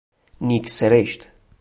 نیک سرشت